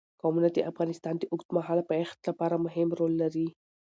قومونه د افغانستان د اوږدمهاله پایښت لپاره مهم رول لري.